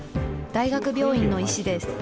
大学病院の医師です。